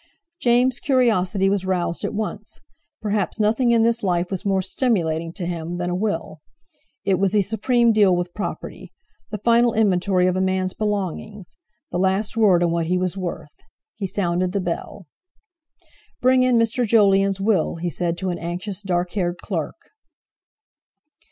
James' curiosity was roused at once. Perhaps nothing in this life was more stimulating to him than a Will; it was the supreme deal with property, the final inventory of a man's belongings, the last word on what he was worth. He sounded the bell. "Bring in Mr. Jolyon's Will," he said to an anxious, dark haired clerk.